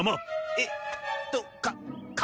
えっとか川！